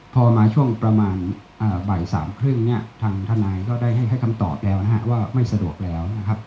พอมาช่วงประมาณบ่ายสามครึ่งเนี่ยทางทนายก็ได้ให้คำตอบแล้วนะฮะว่าไม่สะดวกไปแล้วนะครับ